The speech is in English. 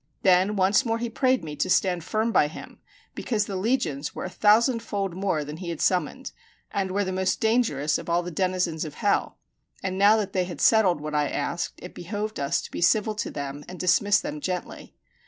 Then once more he prayed me to stand firm by him, because the legions were a thousandfold more than he had summoned, and were the most dangerous of all the denizens of hell; and now that they had settled what I asked, it behoved us to be civil to them and dismiss them gently.